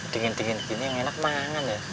dingin dingin gini yang enak mangan ya